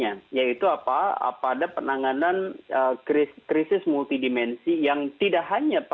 yang bisa menggunakan